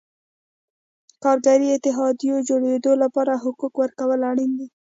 کارګري اتحادیو جوړېدو لپاره حقونو ورکول اړین دي.